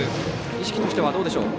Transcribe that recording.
意識としてはどうでしょう。